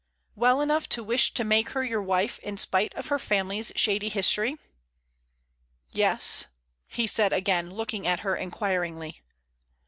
"Well enough to wish to make her your wife, in spite of her family's shady history?" "Yes," he said again, looking at her inquiringly.